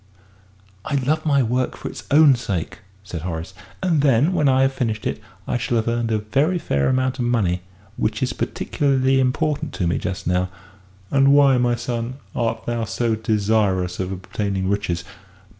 "I love my work for its own sake," said Horace, "and then, when I have finished it, I shall have earned a very fair amount of money which is particularly important to me just now." "And why, my son, art thou so desirous of obtaining riches?"